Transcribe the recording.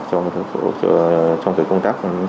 trong thời công tác